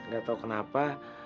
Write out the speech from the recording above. gak tau kenapa